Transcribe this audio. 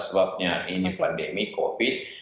sebabnya ini pandemi covid